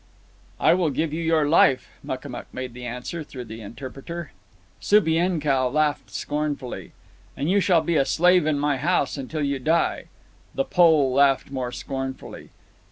"I will give you your life," Makamuk made answer through the interpreter. Subienkow laughed scornfully. "And you shall be a slave in my house until you die." The Pole laughed more scornfully.